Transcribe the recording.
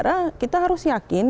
jumlah warga negara kita harus yakin